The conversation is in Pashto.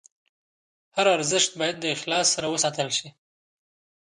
هر ارزښت باید د اخلاص سره وساتل شي.